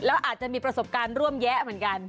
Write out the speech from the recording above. แล้วอาจจะมีประสบการณ์ร่วมแยะเหมือนกัน